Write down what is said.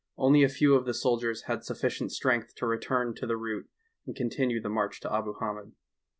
Only a few of the soldiers had sufficient strength to return to the route and continue the march to Abu Hamed.